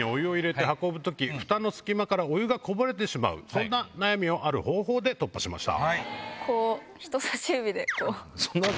そんな悩みをある方法で突破しました。